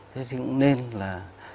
thế thì cũng nên là